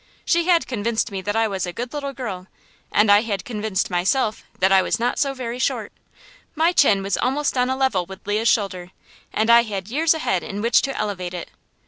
She had convinced me that I was a good little girl, and I had convinced myself that I was not so very short. My chin was almost on a level with Leah's shoulder, and I had years ahead in which to elevate it.